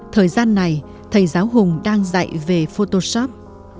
thời gian này thầy giáo hùng đang dạy về photoshop